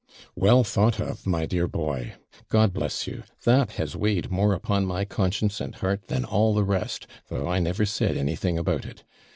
'Well thought of, my dear boy I God bless you! that has weighed more upon my conscience and heart than all the rest, though I never said anything about it.